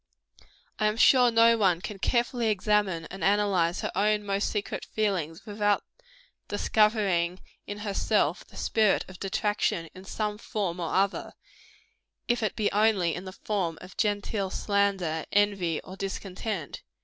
I am sure no one can carefully examine and analyze her own most secret feelings without discovering in herself the spirit of detraction in some form or other, if it be only in the form of genteel slander, envy or discontent.